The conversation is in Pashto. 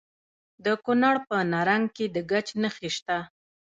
د کونړ په نرنګ کې د ګچ نښې شته.